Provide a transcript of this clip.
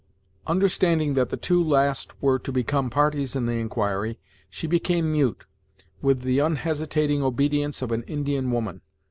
Understanding that the two last were to become parties in the inquiry, she became mute, with the unhesitating obedience of an Indian woman.